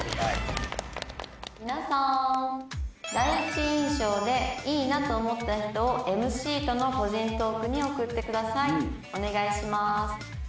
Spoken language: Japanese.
「皆さん第一印象でいいなと思った人をＭＣとの個人トークに送ってください」「お願いします」